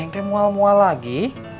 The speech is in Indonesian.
neng kamu mau mau lagi